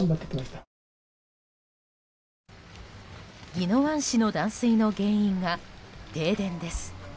宜野湾市の断水の原因が停電です。